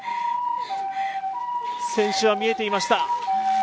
選手は見えていました。